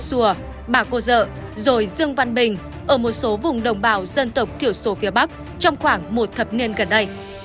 xùa bà cô dợ rồi dương văn bình ở một số vùng đồng bào dân tộc thiểu số phía bắc trong khoảng một thập niên gần đây